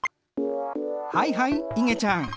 はいはいいげちゃん。